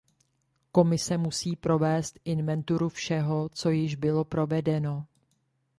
Komise musí provést inventuru všeho, co již bylo provedeno.